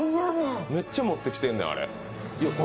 めっちゃ持ってきてんねん、あれ。